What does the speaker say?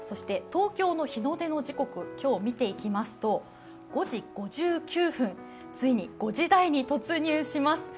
東京の日の出の時刻、今日、見ていきますと５時５９分、ついに５時台に突入します